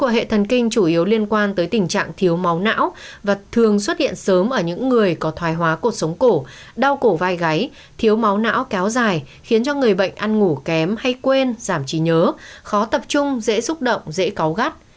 hệ thần kinh chủ yếu liên quan tới tình trạng thiếu máu não và thường xuất hiện sớm ở những người có thoai hóa cuộc sống cổ đau cổ vai gáy thiếu máu não kéo dài khiến cho người bệnh ăn ngủ kém hay quên giảm trí nhớ khó tập trung dễ xúc động dễ có gắt